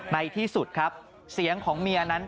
ในที่สุดครับเสียงของเมียนั้น